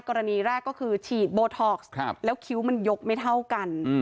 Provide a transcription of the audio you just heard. กรณีแรกก็คือฉีดโบท็อกซ์แล้วคิ้วมันยกไม่เท่ากัน